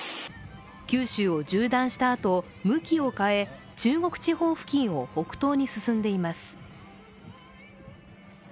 九州を縦断したあと、向きを変え、中国地方付近を北東に進んでいます。